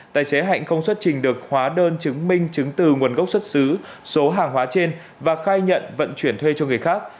tài xế hạnh không xuất trình được hóa đơn chứng minh chứng từ nguồn gốc xuất xứ số hàng hóa trên và khai nhận vận chuyển thuê cho người khác